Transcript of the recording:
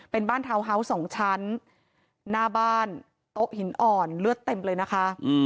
เป็นบ้านทาวน์ฮาวส์๒ชั้นหน้าบ้านโต๊ะหินอ่อนเลือดเต็มเลยนะคะ